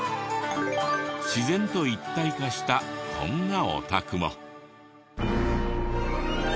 自然と一体化したこんなお宅も。